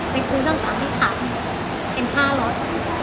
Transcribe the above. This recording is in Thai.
ไปซื้อช่องสรรค์ที่ขาดเป็นผ้ารถ